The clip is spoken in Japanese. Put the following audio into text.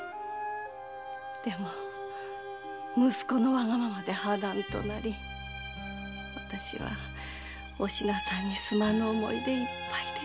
でも息子のワガママで破談となり私はお品さんにすまぬ思いでいっぱいでしてね。